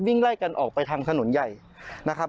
วิ่งไล่กันออกไปทางถนนใหญ่นะครับ